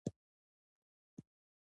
نۀ د زرافه هومره دنګ وي ،